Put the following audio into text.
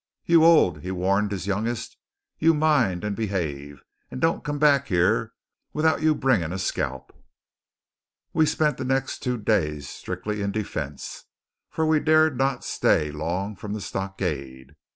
"You Old," he warned his youngest, "you mind and behave; and don't come back yere without'n you bring a skelp!" We spent the next two days strictly in defence, for we dared not stay long from the stockade.